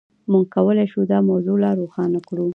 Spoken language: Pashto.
موږ کولای شو دا موضوع لا روښانه کړو.